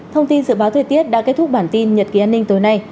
thông tin dự báo thời tiết đã kết thúc bản tin nhật ký an ninh tối nay